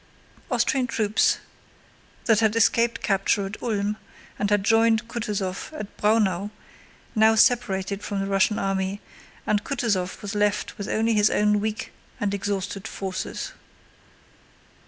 Austrian troops that had escaped capture at Ulm and had joined Kutúzov at Braunau now separated from the Russian army, and Kutúzov was left with only his own weak and exhausted forces.